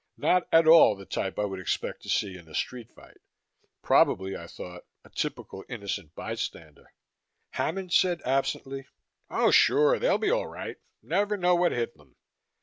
Not at all the type I would expect to see in a street fight; probably, I thought, a typical innocent bystander. Hammond said absently, "Oh, sure. They'll be all right. Never know what hit them."